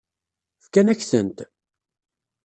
Fkan-ak-tent?